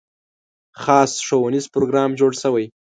خاص ښوونیز پروګرام جوړ شوی.